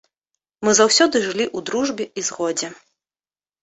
Мы заўсёды жылі ў дружбе і згодзе.